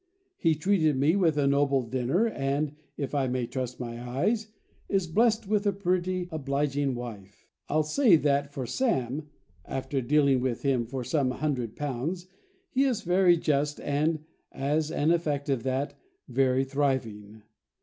—He treated me with a noble dinner, and (if I may trust my eyes) is blest with a pretty, obliging wife. I'll say that for Sam (after dealing with him for some hundred pounds), he is very just, and (as an effect of that) very thriving.